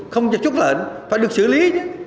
không cho chút lợn phải được xử lý